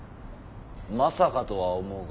まさかとは思うが。